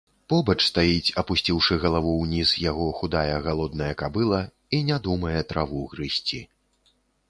Побач стаіць, апусціўшы галаву ўніз, яго худая галодная кабыла і не думае траву грызці.